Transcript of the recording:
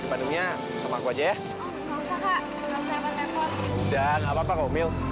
kamu kan sahabatnya li